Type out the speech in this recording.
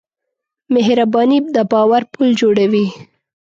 مهرباني د باور پُل جوړوي.